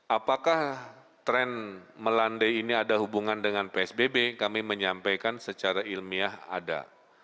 apakah tren melandai ini ada hubungan dengan psbb kami menyampaikan secara ilmiah ada